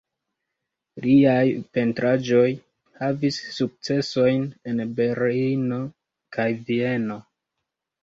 Liaj pentraĵoj havis sukcesojn en Berlino kaj Vieno.